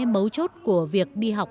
mấu chốt của việc đi học